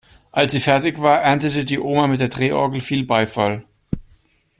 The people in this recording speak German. Als sie fertig war, erntete die Oma mit der Drehorgel viel Beifall.